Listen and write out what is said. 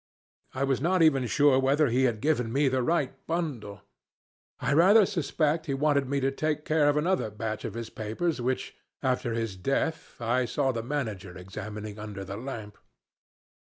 I was not even sure whether he had given me the right bundle. I rather suspect he wanted me to take care of another batch of his papers which, after his death, I saw the manager examining under the lamp.